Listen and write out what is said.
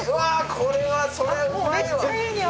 これはそりゃうまいわ。